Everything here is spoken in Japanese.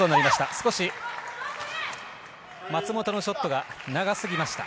少し松本のショットが長すぎました。